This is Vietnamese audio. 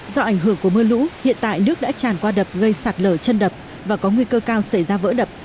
do ảnh hưởng của mưa lũ hiện tại nước đã tràn qua đập gây sạt lở chân đập và có nguy cơ cao xảy ra vỡ đập